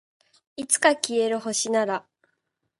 いつか消える星なら